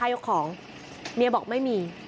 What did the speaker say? ยกของเมียบอกไม่มี